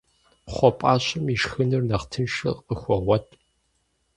Кхъуэпӏащэм ишхынур нэхъ тыншу къыхуогъуэт.